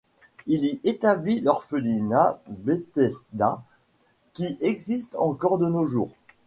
Il y établit l'orphelinat Bethesda, qui existe encore de nos jours.